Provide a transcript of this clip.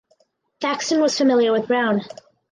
Thaxton was familiar with Brown.